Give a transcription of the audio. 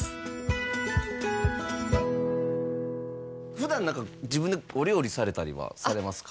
普段何か自分でお料理されたりはされますか？